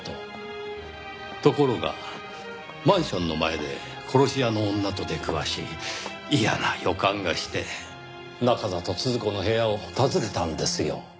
ところがマンションの前で殺し屋の女と出くわし嫌な予感がして中郷都々子の部屋を訪ねたんですよ。